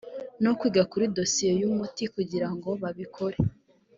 no kwiga kuri dosiye y umuti kugira ngo babikore